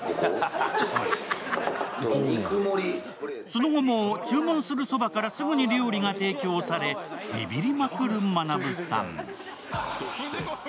その後も注文するそばからすぐに料理が提供されビビりまくるまなぶさん。